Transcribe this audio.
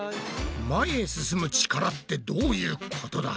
前へ進む力ってどういうことだ？